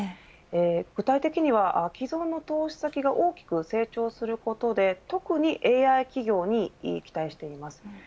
具体的には既存の投資先が大きく成長することで特にＡＩ企業に期待しています。